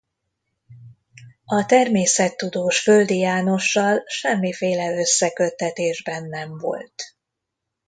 A természettudós Földi Jánossal semmiféle összeköttetésben nem volt.